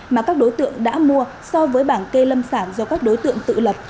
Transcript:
mà các đối tượng đã mua so với bảng kê lâm sản do các đối tượng tự lập